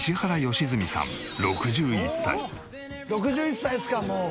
６１歳ですかもう。